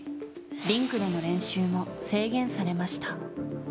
リンクでの練習も制限されました。